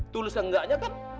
tulus atau enggaknya kan